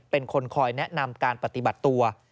เป็นคนคอยแนะนำการปฏิบัติตัว